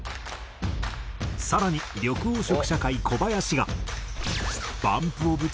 更に緑黄色社会小林が。